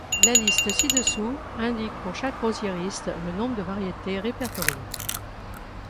La liste ci-dessous indique pour chaque rosiériste le nombre de variétés répertoriées.